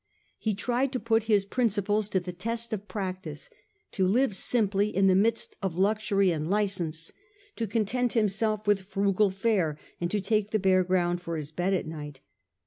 He tried to put his prin ciples to the test of practice, to live simply in the midst of luxury and licence, to content himself with frugal fare, and to take the bare ground for his bed at night.